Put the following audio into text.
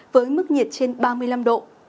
với mức nhiệt trên ba mươi năm độ